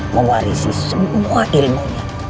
mewarisi semua ilmunya